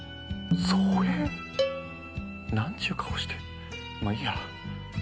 なんちゅう顔してまあいいや。